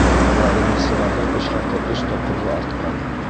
Ә ремонтсыларҙың эш хаҡы өс тапҡырға артҡан.